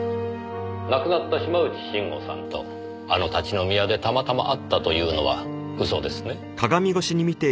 亡くなった島内慎吾さんとあの立ち飲み屋でたまたま会ったというのは嘘ですね。